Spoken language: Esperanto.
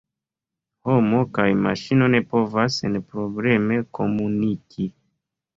Homo kaj maŝino ne povas senprobleme komuniki.